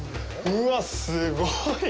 うわ、すごい。